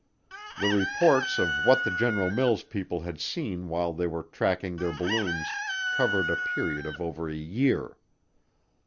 The reports of what the General Mills people had seen while they were tracking their balloons covered a period of over a year.